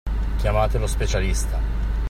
Chiamate lo specialista!